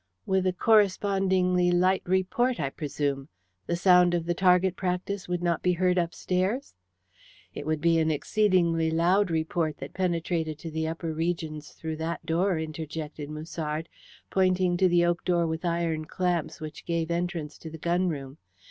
"With a correspondingly light report, I presume. The sound of the target practice would not be heard upstairs?" "It would be an exceedingly loud report that penetrated to the upper regions through that door," interjected Musard, pointing to the oak door with iron clamps which gave entrance to the gun room.